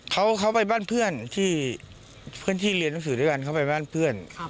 เขาไปบ้านเพื่อนที่เพื่อนที่เรียนหนังสือด้วยกันเขาไปบ้านเพื่อน